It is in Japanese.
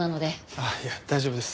あっいや大丈夫です。